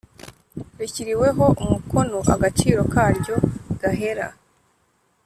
Rishyiriweho umukono agaciro karyo gahera